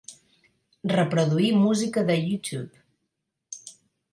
Reproduir música de YouTube.